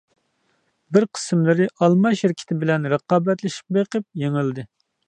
بىر قىسىملىرى ئالما شىركىتى بىلەن رىقابەتلىشىپ بېقىپ يېڭىلدى.